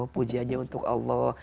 pujiannya untuk allah